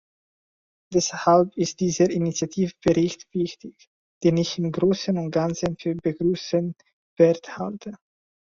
Deshalb ist dieser Initiativbericht wichtig, den ich im Großen und Ganzen für begrüßenswert halte.